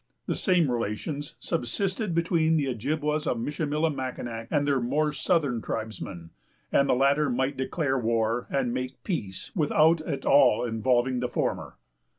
The same relations subsisted between the Ojibwas of Michillimackinac and their more southern tribesmen; and the latter might declare war and make peace without at all involving the former.